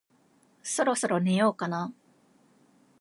そろそろ寝ようかな